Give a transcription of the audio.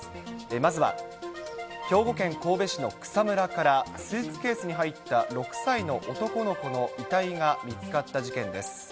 まずは、兵庫県神戸市の草むらから、スーツケースに入った６歳の男の子の遺体が見つかった事件です。